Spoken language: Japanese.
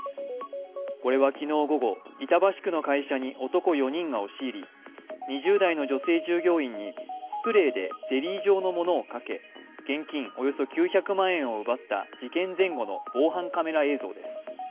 これは昨日午後、板橋区の会社に男４人が押し入り２０代の女性従業員にスプレーでゼリー状のものをかけ現金およそ９００万円を奪った事件前後の防犯カメラ映像です。